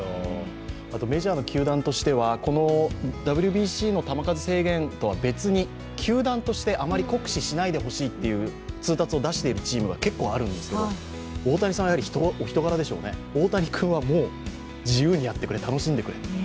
あとメジャーの球団としてはＷＢＣの球数制限とは別に球団としてあまり酷使しないでほしいという通達を出しているチームは結構あるんですけど大谷さんはお人柄でしょうね、大谷君はもう自由にやってくれ、楽しんでくれと。